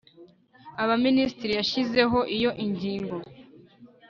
abaminisitiri yashyizeho iyo ingingo